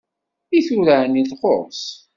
I tura ɛni nxus!